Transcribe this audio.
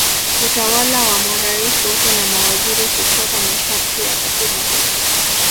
utawala wa marais wote na mawaziri hufuata masharti ya katiba